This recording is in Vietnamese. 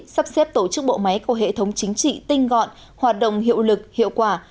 sắp xếp tổ chức bộ máy của hệ thống chính trị tinh gọn hoạt động hiệu lực hiệu quả